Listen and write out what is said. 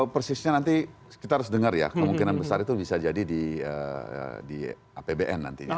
persisnya nanti kita harus dengar ya kemungkinan besar itu bisa jadi di apbn nantinya